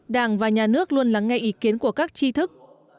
đảng và nhà nước luôn lắng nghe ý kiến của các chi thức